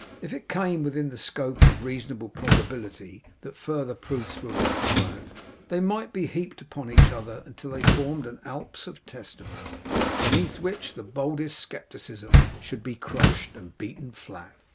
If it came within the scope of reasonable probability that further proofs were required, they might be heaped upon each other until they formed an Alps of testimony, beneath which the boldest scepticism should be crushed and beaten flat.